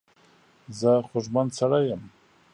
زه خوږمن سړی یم.